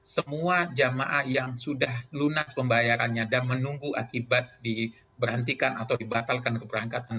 dua ribu dua puluh dua semua jemaah yang sudah lunas pembayarannya dan menunggu akibat diberhentikan atau dibatalkan keberangkatan